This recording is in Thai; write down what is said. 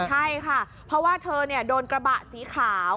ใช่ค่ะเพราะว่าเธอโดนกระบะสีขาว